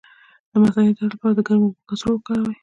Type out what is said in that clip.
د مثانې د درد لپاره د ګرمو اوبو کڅوړه وکاروئ